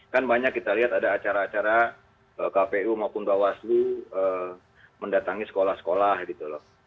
kan banyak kita lihat ada acara acara kpu maupun bawaslu mendatangi sekolah sekolah gitu loh